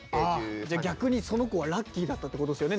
逆にその子はラッキーだったってことですよね。